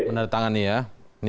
menerang tangan ya